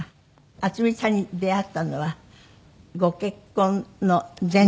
渥美さんに出会ったのはご結婚の前後？